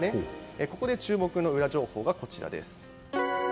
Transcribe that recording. ここで注目のウラ情報がこちらです。